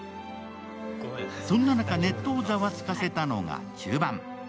そんな中、ネットをざわつかせたのが終盤。